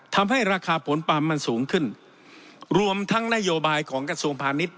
ทำให้ราคาผลปาล์มันสูงขึ้นรวมทั้งนโยบายของกระทรวงพาณิชย